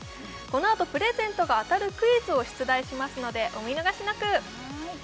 このあとプレゼントが当たるクイズを出題しますのでお見逃しなく！